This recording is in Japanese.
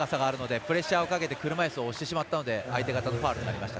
プレッシャーをかけて車いすを押してしまったので相手方のファウルになりました。